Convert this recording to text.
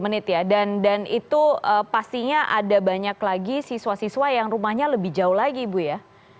tiga puluh menit ya dan itu pastinya ada banyak lagi siswa siswa yang rumahnya lebih jauh lagi ibu ya